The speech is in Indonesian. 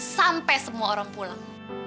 sampai semua orang pulang